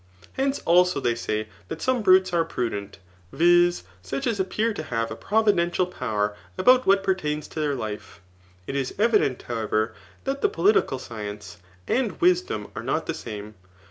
Hence also they say that some brutes are prudent, viz. such as appear to have a providential power about what pertains to their life. It is evident, however, that the political science and wis dom are not the same.